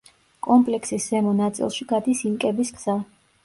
კომპლექსის ზემო ნაწილში გადის ინკების გზა.